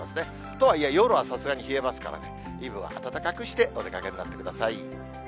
とはいえ夜はさすがに冷えますからね、イブは暖かくしてお出かけになってください。